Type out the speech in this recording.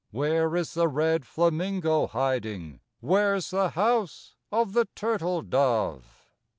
Where is the red flamingo hiding, where's the house of the turtle dove?